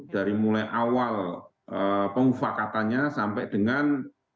dari mulai awal pemufakatannya sampai dengan